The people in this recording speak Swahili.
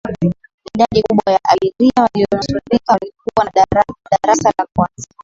idadi kubwa ya abiria waliyonusurika walikuwa wa darasa la kwanza